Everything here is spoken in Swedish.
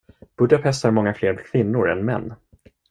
Budapest har många fler kvinnor än män.